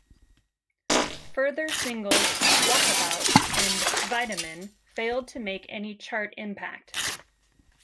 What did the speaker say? Further singles "Walkabout" and "Vitamin" failed to make any chart impact.